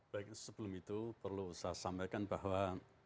baik sebelum itu perlu saya sampaikan bahwa